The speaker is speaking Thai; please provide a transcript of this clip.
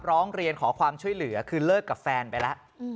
ร้องเรียนขอความช่วยเหลือคือเลิกกับแฟนไปแล้ว